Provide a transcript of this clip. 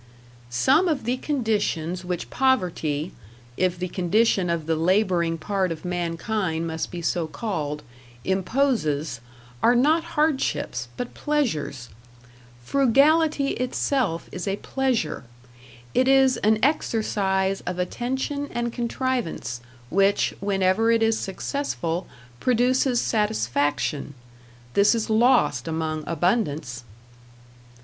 Some of the conditions which poverty (if the condition of the labouring part of mankind must be so called) imposes, are not hardships, but pleasures. Frugality itself is a pleasure. It is an exercise of attention and contrivance, which, whenever it is successful, produces satisfaction.... This is lost among abundance.